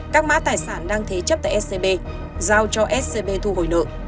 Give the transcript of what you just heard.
các mã tài sản đang thế chấp tại scb giao cho scb thu hồi nợ